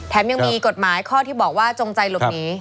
ยังมีกฎหมายข้อที่บอกว่าจงใจหลบหนี